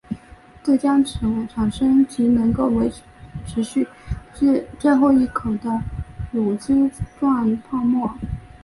这将产生其能够持续至最后一口的乳脂状泡沫。